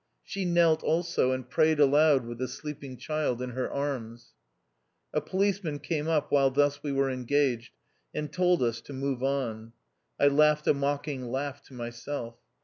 She knelt also, and prayed aloud with the sleep ing child in her arms. A policeman came up while thus we were engaged, and told us to move on. I laughed a mocking laugh to myself.